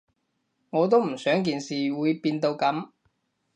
我都唔想件事會變到噉